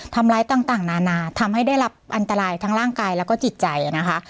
ทำร้ายต่างนานาทำให้ได้รับอันตรายทั้งร่างกายแล้วก็จิตใจนะคะ